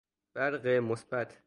برق مثبت